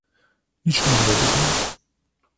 Nič ni narobe z njim.